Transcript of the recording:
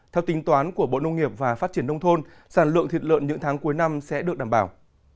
theo tính toán của bộ nông nghiệp và phát triển nông thôn sản lượng thịt lợn những tháng cuối năm sẽ được đảm bảo